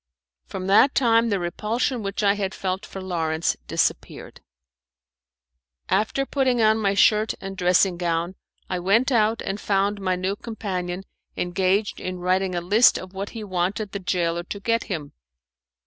From that time the repulsion which I had felt for Lawrence disappeared. After putting on my shirt and dressing gown, I went out and found my new companion engaged in writing a list of what he wanted the gaoler to get him.